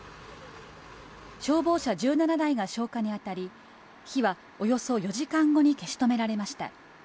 消防車１７台が消火に当たり、火はおよそ４時間後に消し止められました。